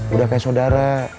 udah kayak sodara